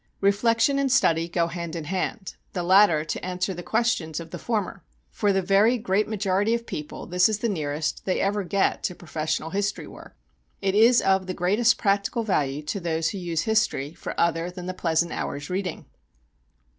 Reflection and study go hand in hand, the latter to answer the questions of the former. For the very great majority of people this is the nearest they ever get to professional history work. It is of the greatest practical value to those who use history for other than the pleasant hour's reading.